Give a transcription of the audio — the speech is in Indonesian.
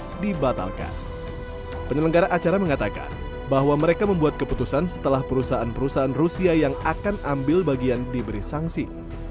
yang menyebabkan penyelenggara acara mengatakan bahwa mereka membuat keputusan setelah perusahaan perusahaan rusia yang akan ambil bagian diberi sanksi